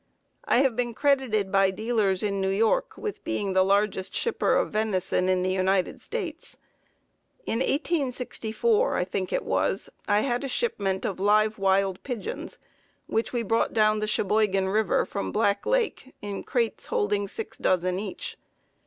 I have been credited by dealers in New York with being the largest shipper of venison in the United States. In 1864 (I think it was) I had a shipment of live wild pigeons which we brought down the Cheboygan River from Black Lake in crates holding six dozen each.